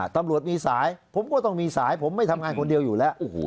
ตำรวจมีสายผมก็ต้องมีสายผมไม่ทำงานคนเดียวอยู่แล้ว